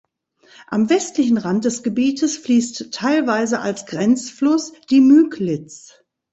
Am westlichen Rand des Gebietes fließt teilweise als Grenzfluss die Müglitz.